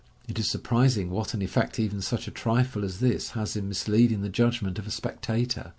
It is surprising what an effect even such a trifle as this has in misleading the judg ment of a spectator.